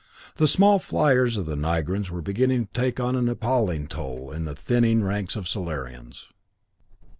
The small fliers of the Nigrans were beginning to take an appalling toll in the thinning ranks of the Solarians.